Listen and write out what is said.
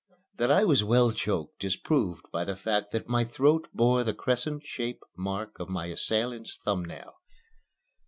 That I was well choked is proved by the fact that my throat bore the crescent shaped mark of my assailant's thumb nail.